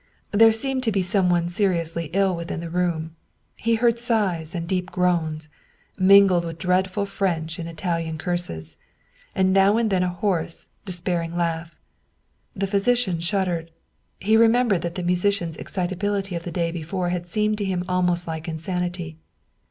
There seemed to be some one seriously ill within the room; he heard sighs and deep groans, mingled with dreadful French and Italian curses, and now and then a hoarse, despairing laugh. The physician shuddered. He remembered that the musician's excitability of the day before had seemed to him almost like insanity.